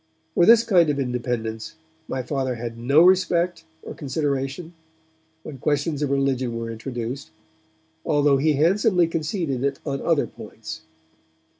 For this kind of independence my Father had no respect or consideration, when questions of religion were introduced, although he handsomely conceded it on other points.